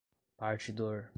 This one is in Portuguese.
partidor